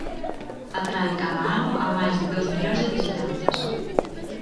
Atrae cada ano a máis de dous millóns de visitantes.